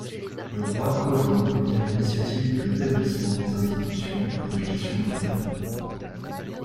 Le roi Kojong est à l'initiative de l'établissement des institutions pour l'éducation moderne.